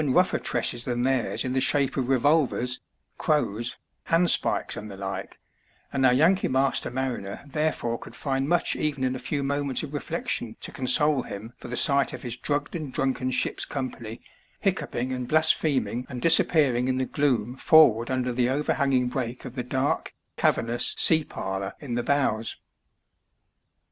283 rougher tresses than theirs in the shape of revolvers, crows, handspikes, and the like, and oar Yankee master mariner therefore could find much even in a few moments of reflection to console him for the sight of his drugged and drunken ship's company hiccoughing and blasphem ing and disappearing in the gloom forward under the overhanging break of the dark, cavernous sea parlour in the bows.